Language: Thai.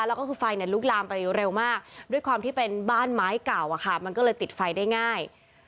แล้วก็คือไฟลุกลามไปเร็วมากด้วยความที่เป็นบ้านไม้เก่าอะค่ะมันก็เลยติดไฟได้ง่าย